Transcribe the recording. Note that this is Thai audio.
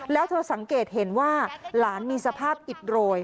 แล้วเธอสังเกตเห็นว่าหลานมีสภาพอิดโรย